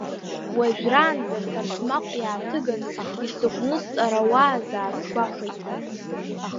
Уажәраанӡа, сарҭмаҟ иааҭыган исыҟәнысҵарауааз аасгәахәит.